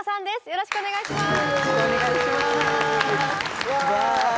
よろしくお願いします。